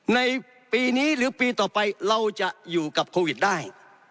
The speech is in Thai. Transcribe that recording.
ในปีนี้หรือปีต่อไปเราจะอยู่กับโควิดได้